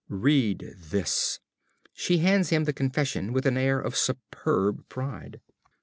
Read this! (_She hands him the confession with an air of superb pride.